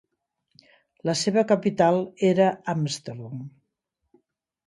La seva capital era Amsterdam.